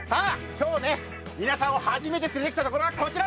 今日皆さんを初めて連れてきたところはこちら。